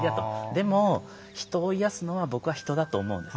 でも、人を癒やすのは僕は人だと思うんです。